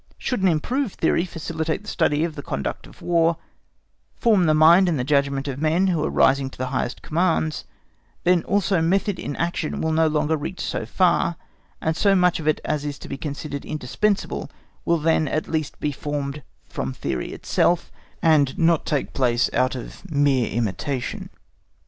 Should an improved theory facilitate the study of the conduct of War, form the mind and judgment of men who are rising to the highest commands, then also method in action will no longer reach so far, and so much of it as is to be considered indispensable will then at least be formed from theory itself, and not take place out of mere imitation.